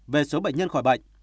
về số bệnh nhân khỏi bệnh